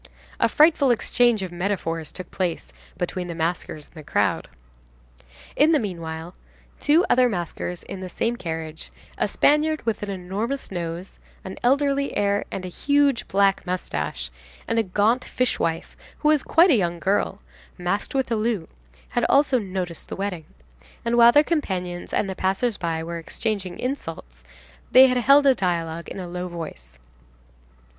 A frightful exchange of metaphors took place between the maskers and the crowd. In the meanwhile, two other maskers in the same carriage, a Spaniard with an enormous nose, an elderly air, and huge black moustache, and a gaunt fishwife, who was quite a young girl, masked with a loup,67 had also noticed the wedding, and while their companions and the passers by were exchanging insults, they had held a dialogue in a low voice.